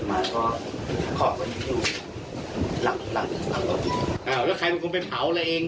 ไอ้วะแล้วใครพี่มันคงไปเผาอะไรเอง